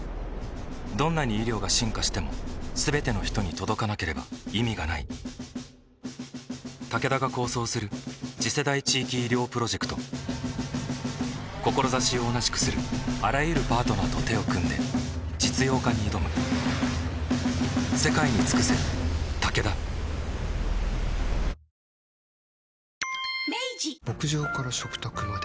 どんなに医療が進化しても全ての人に届かなければ意味がないタケダが構想する次世代地域医療プロジェクト志を同じくするあらゆるパートナーと手を組んで実用化に挑む牧場から食卓まで。